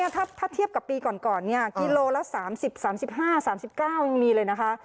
ถ้าเทียบกับปีก่อนกิโลละ๓๐๓๕๓๙ยังมีเลยนะคะ